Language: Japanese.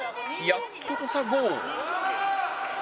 やっとこさゴール